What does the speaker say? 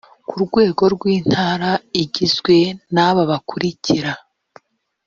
ku rwego rw intara igizwe n aba bakurikira